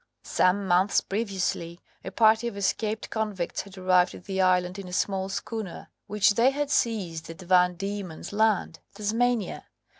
Some months previously a party of escaped convicts had arrived at the island in a small schooner, which they had seized at Van Dieman's Land (Tasmania).